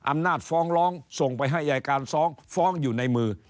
อำนาจฟ้องร้องส่งไปให้อายการฟ้องฟ้องอยู่ในมือ